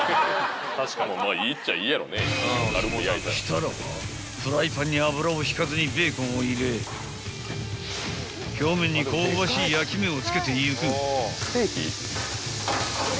［したらばフライパンに油を引かずにベーコンを入れ表面に香ばしい焼き目を付けていく］